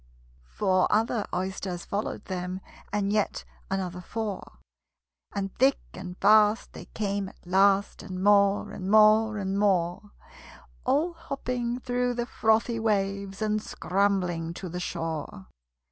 Four other Oysters followed them, And yet another four; And thick and fast they came at last, And more, and more, and more All hopping through the frothy waves, And scrambling to the shore.